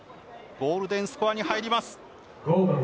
ゴールデンスコアに入ります。